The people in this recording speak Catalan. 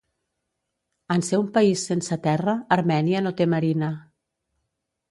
En ser un país sense terra, Armènia no té marina.